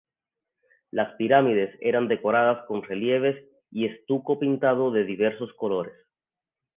Las pirámides eran decoradas con relieves y estuco pintado de diversos colores.